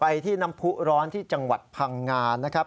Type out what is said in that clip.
ที่น้ำผู้ร้อนที่จังหวัดพังงานะครับ